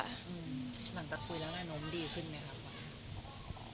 หลังจากคุยแล้วแหละเน้อมดีขึ้นไหมครับ